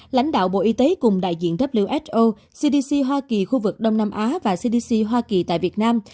lãnh đạo bộ y tế cùng đại diện who cdc hoa kỳ khu vực đông nam á và cdc hoa kỳ tại việt nam